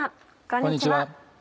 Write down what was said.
こんにちは。